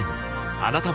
あなたも